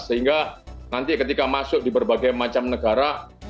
sehingga nanti ketika masuk di berbagai macam negara